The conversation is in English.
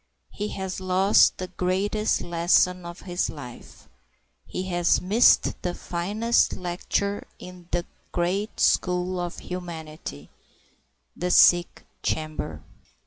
He has lost the greatest lesson of his life; he has missed the finest lecture in that great school of humanity, the sick chamber.